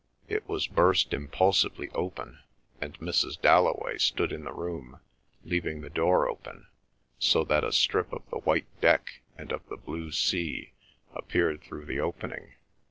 It was burst impulsively open, and Mrs. Dalloway stood in the room leaving the door open, so that a strip of the white deck and of the blue sea appeared through the opening.